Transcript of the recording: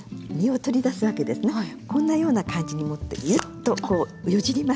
こんなような感じに持ってギュッとこうよじります。